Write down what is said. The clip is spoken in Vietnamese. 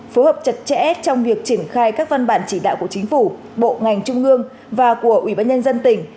phối hợp chặt chẽ trong việc triển khai các văn bản chỉ đạo của chính phủ bộ ngành trung ương và của ubnd tỉnh